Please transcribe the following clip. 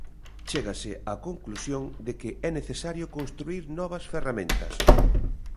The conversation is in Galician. Chégase á conclusión de que é necesario construír novas ferramentas.